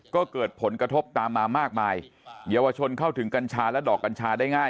ก็เกิดผลกระทบตามมามากมายเยาวชนเข้าถึงกัญชาและดอกกัญชาได้ง่าย